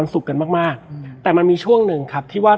และวันนี้แขกรับเชิญที่จะมาเชิญที่เรา